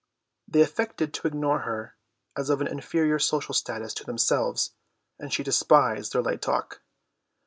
They affected to ignore her as of an inferior social status to themselves, and she despised their light talk.